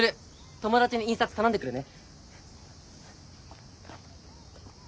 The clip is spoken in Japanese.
友達に印刷頼んでくるね。